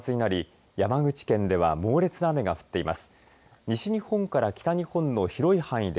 前線の活動が活発になり山口県では猛烈な雨が降っています。